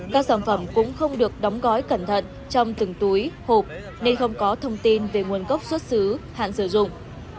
các sản phẩm cũng không được đóng gói cẩn thận trong từng túi hộp nên không có thông tin về nguồn gốc xuất xứ hạn sử dụng